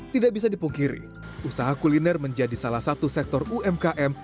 tidak bisa dipungkiri usaha kuliner menjadi salah satu sektor umkm